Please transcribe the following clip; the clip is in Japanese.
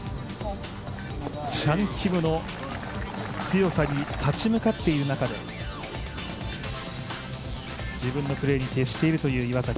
チャン・キムの強さに立ち向かっている中で自分のプレーに徹しているという岩崎。